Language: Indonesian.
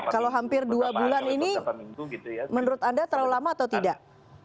kalau hampir dua bulan ini menurut anda terlalu lama atau tidak